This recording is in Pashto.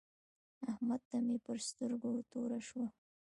احمد ته مې پر سترګو توره شوه.